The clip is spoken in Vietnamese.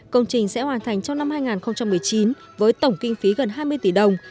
công trình sẽ hoàn thành trong năm hai nghìn một mươi chín với tổng kinh phí gần hai mươi tỷ đồng